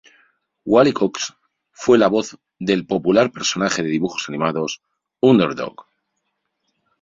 Wally Cox fue la voz del popular personaje de dibujos animados "Underdog".